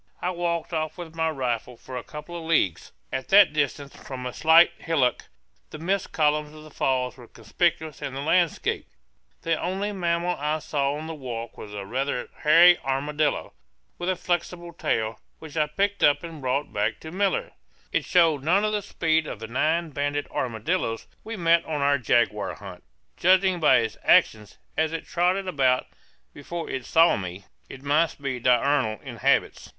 I walked off with my rifle for a couple of leagues; at that distance, from a slight hillock, the mist columns of the falls were conspicuous in the landscape. The only mammal I saw on the walk was a rather hairy armadillo, with a flexible tail, which I picked up and brought back to Miller it showed none of the speed of the nine banded armadillos we met on our jaguar hunt. Judging by its actions, as it trotted about before it saw me, it must be diurnal in habits.